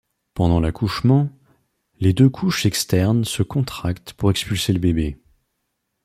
Pendant l'accouchement, les deux couches externes se contractent pour expulser le bébé.